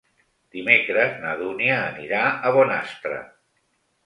Dimecres na Dúnia anirà a Bonastre.